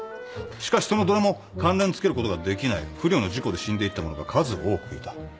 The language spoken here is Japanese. しかしそのどれも関連づけることができない不慮の事故で死んでいった者が数多くいた。